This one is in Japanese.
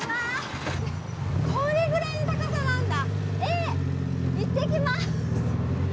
これぐらいの高さなんだ。